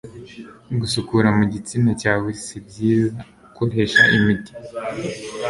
gusukura mu gitsina cyawe sibyzia ukoresha imiti